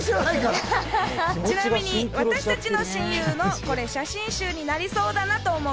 ちなみに私たちの親友のこれ写真集になりそうだなと思う